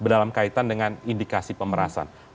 dalam kaitan dengan indikasi pemerasan